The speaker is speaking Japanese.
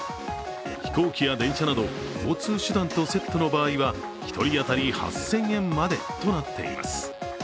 飛行機や電車など交通手段とセットの場合は１人当たり８０００円までとなっています。